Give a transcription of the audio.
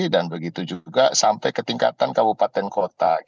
dan begitu juga sampai ketingkatan kabupaten kota